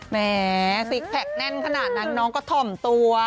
แหมซิกแพคแน่นขนาดนั้นน้องก็ถ่อมตัว